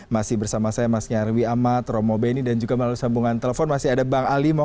kita akan kembali setelah itu